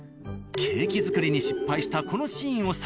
ケーキ作りに失敗したこのシーンを再現したのが。